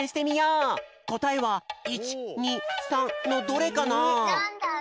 こたえは１２３のどれかな？